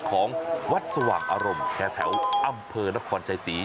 ของวัดสว่างอารมณ์แถวอำเภอนครชัยศรี